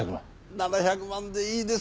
７００万でいいです。